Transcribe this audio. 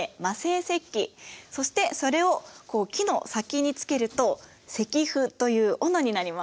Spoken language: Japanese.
そしてそれをこう木の先につけると石斧というおのになります。